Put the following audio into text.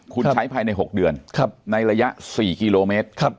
คุณใช้ภายในหกเดือนครับในระยะสี่กิโลเมตรครับ